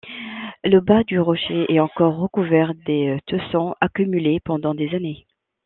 Le bas du rocher est encore recouvert des tessons accumulés pendant des années.